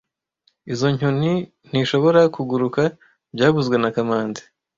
Izoi nyoni ntishobora kuguruka byavuzwe na kamanzi